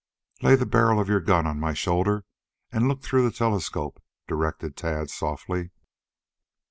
"Lay the barrel of your gun over my shoulder and look through the telescope," directed Tad softly.